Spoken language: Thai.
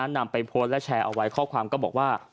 นำไปโพสต์และแชร์เอาไว้ข้อความก็บอกว่า